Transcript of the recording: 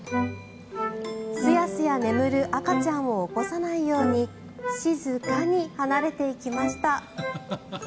スヤスヤ眠る赤ちゃんを起こさないように静かに離れていきました。